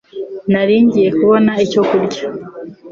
Nari ngiye kubona icyo kurya.